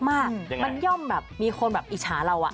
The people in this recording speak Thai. มันย่อมแบบมีคนแบบอิจฉาเรา